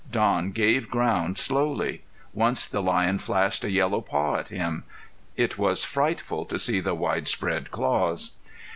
Don gave ground slowly. Once the lion flashed a yellow paw at him. It was frightful to see the wide spread claws.